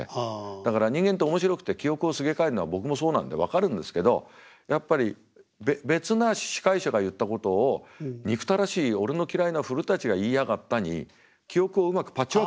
だから人間って面白くて記憶をすげ替えるのは僕もそうなんで分かるんですけどやっぱり別な司会者が言ったことを「憎たらしい俺の嫌いな古が言いやがった」に記憶をうまくパッチワークするんです。